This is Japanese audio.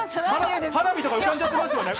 花火とか浮かんじゃってますよね。